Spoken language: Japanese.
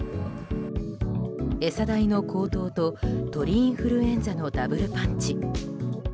餌代の高騰と鳥インフルエンザのダブルパンチ。